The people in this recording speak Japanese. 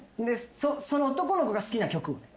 その男の子が好きな曲をね。